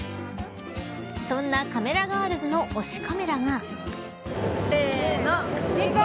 そんな、カメラガールズの推しカメラが。